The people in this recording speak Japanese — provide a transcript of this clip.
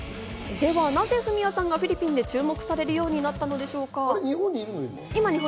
ではなぜＦｕｍｉｙａさんがフィリピンで注目されるようになったのでしょうか。